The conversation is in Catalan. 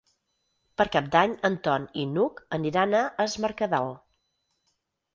Per Cap d'Any en Ton i n'Hug aniran a Es Mercadal.